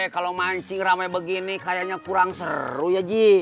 kalau mancing ramai begini kayaknya kurang seru ya ji